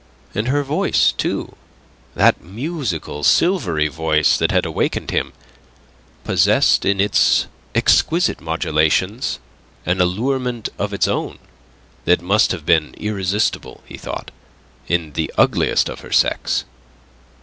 And her voice too that musical, silvery voice that had awakened him possessed in its exquisite modulations an allurement of its own that must have been irresistible, he thought, in the ugliest of her sex.